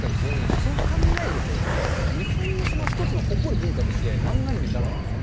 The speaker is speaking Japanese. そう考えると、日本の一つの誇る文化として、漫画アニメってあると思うんですよ。